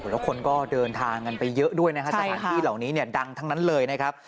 แล้วคนก็เดินทางกันไปเยอะด้วยนะฮะสถานที่เหล่านี้เนี่ยดังทั้งนั้นเลยนะครับ